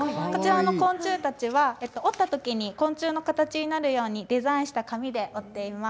昆虫たちは折ったときに昆虫の形になるようにデザインした紙で折っています。